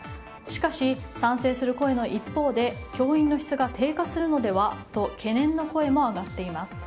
しかし、賛成する声の一方で教員の質が低下するのではと懸念の声も上がっています。